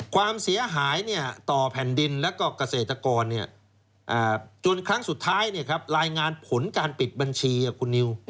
ความเสียหายต่อแผ่นดินและก็เกษตรกรจนครั้งสุดท้ายรายงานผลการปิดบัญชีคุณนิว